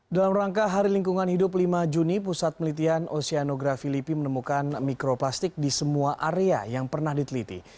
dalam rangka hari lingkungan hidup lima juni pusat penelitian oceanografi lipi menemukan mikroplastik di semua area yang pernah diteliti